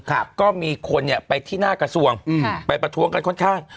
ก็มีคนไปที่หน้ากระทรวงไปประท้วงกันค่อนข้าง